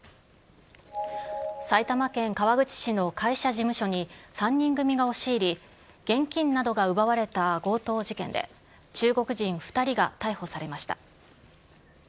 埼玉県川口市の会社事務所に、３人組が押し入り、現金などが奪われた強盗事件で、中国人２人が逮捕されました。